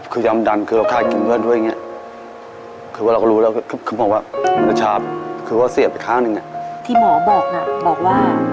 คือเอาอำมะพาซแล้ว